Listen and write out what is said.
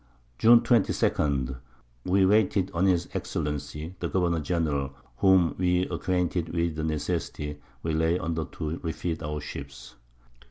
June 22. We waited on his Excellency the Governour General, whom we acquainted with the Necessity we lay under to refit our Ships.